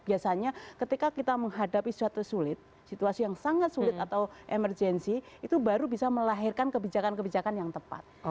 biasanya ketika kita menghadapi suatu sulit situasi yang sangat sulit atau emergensi itu baru bisa melahirkan kebijakan kebijakan yang tepat